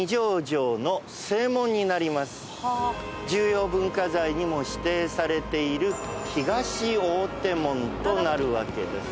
重要文化財にも指定されている東大手門となるわけです。